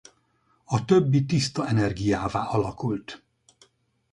A többi tiszta energiává alakult.